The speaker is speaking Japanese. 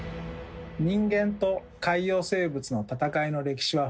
人間と海洋生物のたたかいの歴史は古く